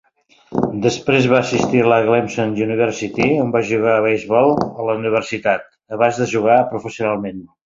Després va assistir a la Clemson University, on va jugar a beisbol a la universitat, abans de jugar professionalment.